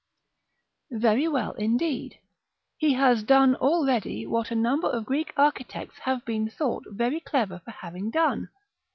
Very well indeed: he has done already what a number of Greek architects have been thought very clever for having done.